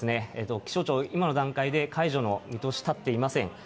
気象庁、今の段階で解除の見通し立っていません。